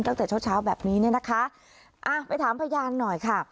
ตั้งแต่เช้าแบบนี้นะคะไปถามพยานหน่อยค่ะ